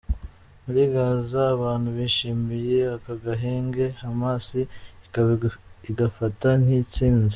Muri Gaza, abantu bishimiye aka gahenge, Hamas ikaba igafata nk'intsinzi.